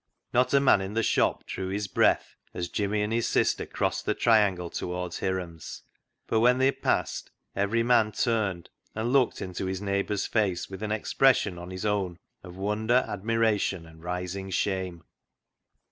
Not a man in the shop drew his breath as Jimmy and his sister crossed the triangle toward Hiram's ; but when they had passed, every man turned and looked into his neigh bour's face with an expression on his own of wonder, admiration, and rising shame.